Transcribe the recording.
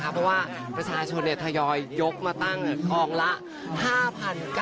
เพราะว่าประชาชนเนี่ยทยอยยกมาตั้งกองละ๕๙๙๙บาท